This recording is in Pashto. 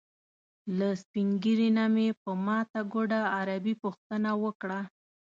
له سپین ږیري نه مې په ماته ګوډه عربي پوښتنه وکړه.